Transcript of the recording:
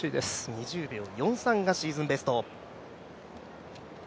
２０秒４３がシーズンベスト。